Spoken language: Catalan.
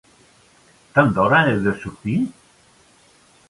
Tan d'hora he de sortir?